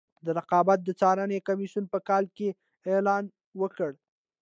د رقابت د څارنې کمیسیون په کال کې اعلان وکړ.